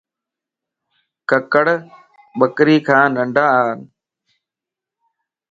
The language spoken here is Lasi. ڪُڪڙ ٻڪري کان ننڊو اَ